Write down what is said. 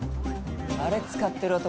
あれ使ってる男